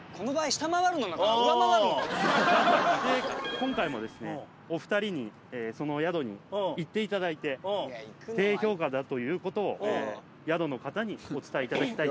今回もですねお二人にその宿に行っていただいて低評価だという事を宿の方にお伝えいただきたい。